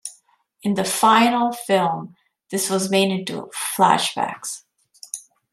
In the final film, this was made into flashbacks.